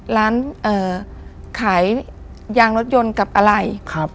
ร้านขายยางรถยนต์กับอะไร